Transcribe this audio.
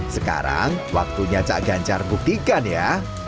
sekarang waktunya cak ganjar buktikan ya